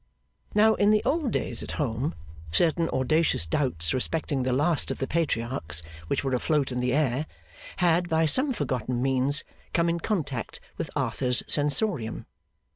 Now, in the old days at home, certain audacious doubts respecting the last of the Patriarchs, which were afloat in the air, had, by some forgotten means, come in contact with Arthur's sensorium.